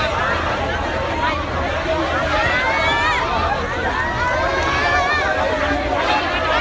ก็ไม่มีเวลาให้กลับมาเท่าไหร่